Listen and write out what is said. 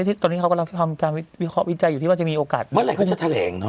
ที่ตอนนี้เขากำลังทำการวิเคราะห์วิจัยอยู่ที่ว่าจะมีโอกาสเมื่อไหร่เขาจะแถลงเนาะ